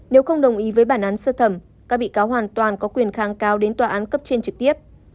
nếu không đồng ý với bản án sơ thẩm các bị cáo hoàn toàn có quyền kháng cáo đến tòa án cấp trên trực tiếp